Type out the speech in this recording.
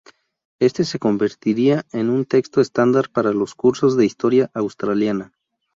Este se convertiría en un texto estándar para los cursos de historia australiana.